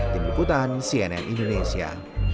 tim ikutan cnn indonesia